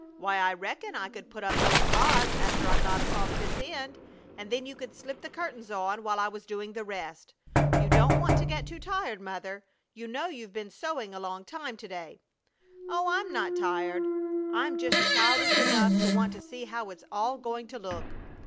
Why, I reckon I could put up those rods after I get across this end, and then you could slip the curtains on while I was doing the rest. You don't want to get too tired, Mother. You know you been sewing a long time to day." "Oh, I'm not tired! I'm just childish enough to want to see how it's all going to look.